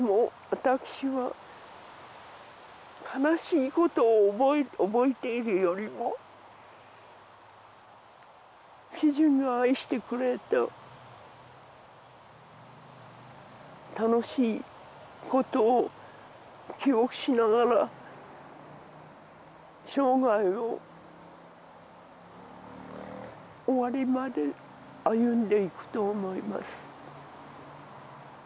私は悲しいことを覚えているよりも主人が愛してくれた楽しいことを記憶しながら生涯を終わりまで歩んでいくと思います